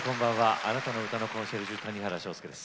あなたの歌のコンシェルジュ谷原章介です。